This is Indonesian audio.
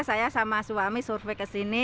saya sama suami survei kesini